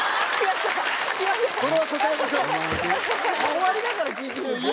終わりだから聞いていいよね。